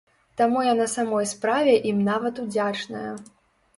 Таму я на самой справе ім нават удзячная.